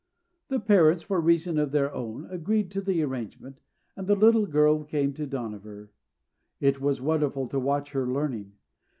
The parents, for reasons of their own, agreed to the arrangement, and the little girl came to Dohnavur. It was wonderful to watch her learning.